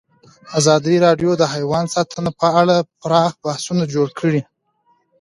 ازادي راډیو د حیوان ساتنه په اړه پراخ بحثونه جوړ کړي.